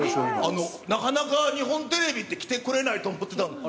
あの、なかなか日本テレビって来てくれないと思ってた。